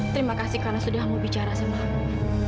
terima kasih karena sudah mau bicara sama aku